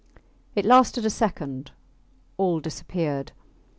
... It lasted a second all disappeared.